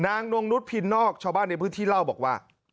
นงนุษยพินนอกชาวบ้านในพื้นที่เล่าบอกว่า